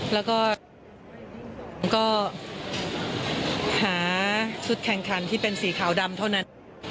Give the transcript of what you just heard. แล้วก็ผมก็หาชุดแข่งขันที่เป็นสีขาวดำเท่านั้น